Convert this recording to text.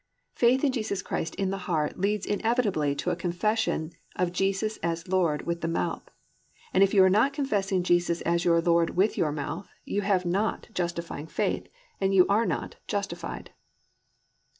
"+ Faith in Jesus Christ in the heart leads inevitably to a confession of Jesus as Lord with the mouth, and if you are not confessing Jesus as your Lord with your mouth you have not justifying faith and you are not justified.